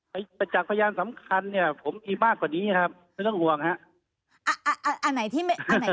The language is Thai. ประจักษ์พยานสำคัญเนี่ยผมมีมากกว่านี้ครับไม่ต้องห่วงครับ